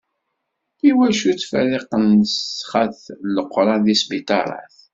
Iwacu ttferriqen nnesxat n Leqran deg sbiṭarat?